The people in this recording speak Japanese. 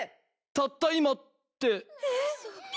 たった今って。